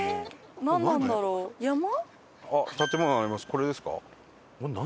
これですか？